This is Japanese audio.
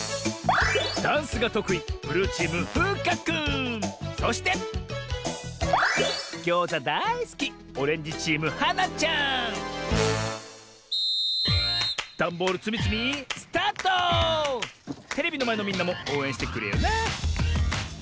ダンスがとくいそしてギョーザだいすきダンボールつみつみテレビのまえのみんなもおうえんしてくれよな！